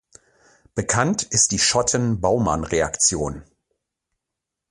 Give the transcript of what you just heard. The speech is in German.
Bekannt ist die Schotten-Baumann-Reaktion.